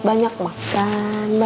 neng kamu mau makan apa